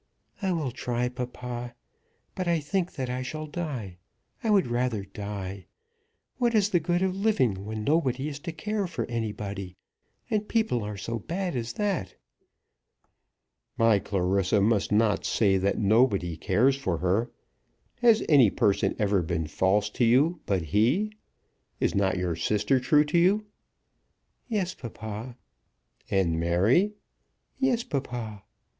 "I will try, papa. But I think that I shall die. I would rather die. What is the good of living when nobody is to care for anybody, and people are so bad as that?" "My Clarissa must not say that nobody cares for her. Has any person ever been false to you but he? Is not your sister true to you?" "Yes, papa." "And Mary?" "Yes, papa."